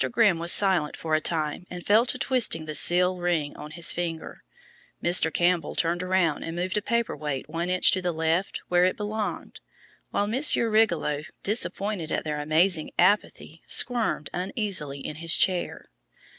Grimm was silent for a time and fell to twisting the seal ring on his finger. Mr. Campbell turned around and moved a paper weight one inch to the left, where it belonged, while Monsieur Rigolot, disappointed at their amazing apathy, squirmed uneasily in his chair.